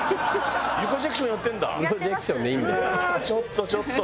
ちょっとちょっと！